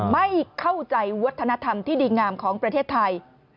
ไม่เข้าใจวัฒนธรรมที่ดีงามของประเทศไทย